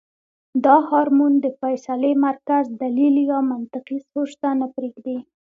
دا هارمون د فېصلې مرکز دليل يا منطقي سوچ ته نۀ پرېږدي -